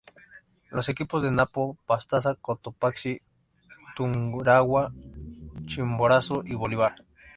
Los equipos de Napo, Pastaza, Cotopaxi, Tungurahua, Chimborazo y Bolívar.